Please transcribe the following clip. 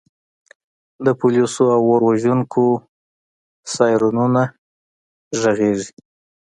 د پولیسو او اور وژونکو سایرنونه غږیږي